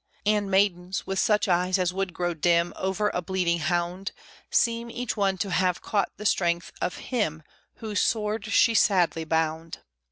And maidens, with such eyes as would grow dim Over a bleeding hound, Seem each one to have caught the strength of him Whose sword she sadly bound.